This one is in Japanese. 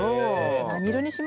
何色にします？